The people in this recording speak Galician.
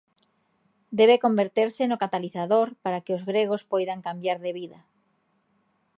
Debe converterse no catalizador para que os gregos poidan cambiar de vida.